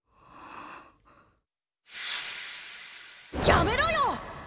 やめろよ！